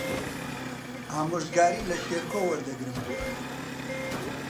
ئامۆژگاری لە شێرکۆ وەردەگرم.